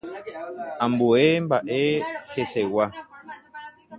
Ambue mba'e hesegua.